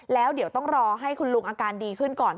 แล้วเดี๋ยวต้องรอให้คุณลุงอาการดีขึ้นก่อน